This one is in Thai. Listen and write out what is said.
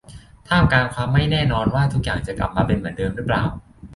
ท่ามกลางความไม่แน่นอนว่าทุกอย่างจะกลับมาเป็นเหมือนเดิมหรือเปล่า